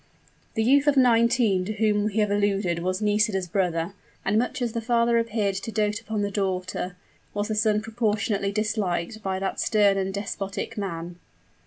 The youth of nineteen to whom we have alluded was Nisida's brother; and much as the father appeared to dote upon the daughter, was the son proportionately disliked by that stern and despotic man.